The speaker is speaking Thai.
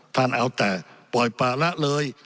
ท่านเอาแต่ปล่อยป่าละเลย